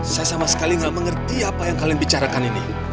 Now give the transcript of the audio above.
saya sama sekali nggak mengerti apa yang kalian bicarakan ini